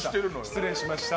失礼しました。